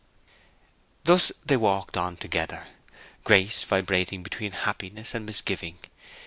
Thus they walked on together. Grace vibrating between happiness and misgiving.